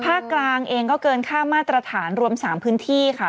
ภาคกลางเองก็เกินค่ามาตรฐานรวม๓พื้นที่ค่ะ